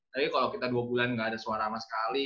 tapi kalau kita dua bulan nggak ada suara sama sekali